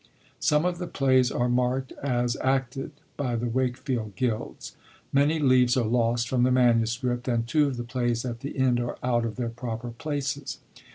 Some of the plays are markt as acted by the Wakefield gilds. Many leaves are lost from the MS., and two of the plays at the end are out of their proper places.